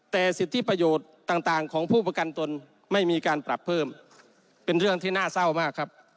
แต่สิทธิประโยชน์ต่างของผู้ประกันตนไม่มีการปรับเพิ่มเป็นเรื่องที่น่าเศร้ามากครับ